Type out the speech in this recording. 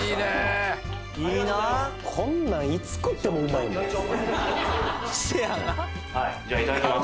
いいなこんなんいつ食ってもうまいもんせやなじゃあいただきます